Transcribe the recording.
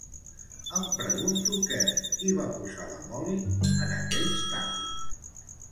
Em pregunto què hi va posar la Molly, en aquells tacos?